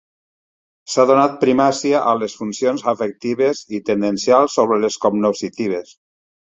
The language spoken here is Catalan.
S'ha donat primacia a les funcions afectives i tendencials sobre les cognoscitives.